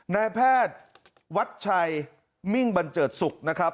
นายแพทย์วัดชัยมิ่งบันเจิดสุขนะครับ